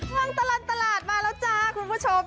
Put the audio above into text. ว่างตลันตลาดมาแล้วจ้าคุณผู้ชม